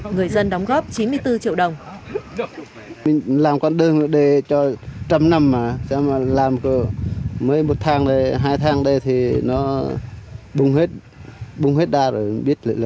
người dân đóng góp chín mươi bốn triệu đồng